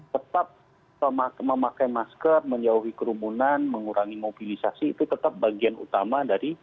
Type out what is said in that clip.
tetap memakai masker menjauhi kerumunan mengurangi mobilisasi itu tetap bagian utama dari